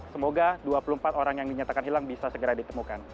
semoga dua puluh empat orang yang dinyatakan hilang bisa segera ditemukan